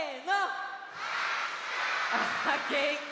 あげんき！